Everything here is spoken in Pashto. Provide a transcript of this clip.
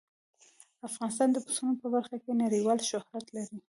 افغانستان د پسونو په برخه کې نړیوال شهرت لري.